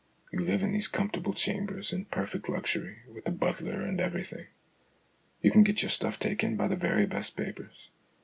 "You live in these comfortable chambers in perfect luxury, with a butler and everything. You can get your stuff taken by the very best papers.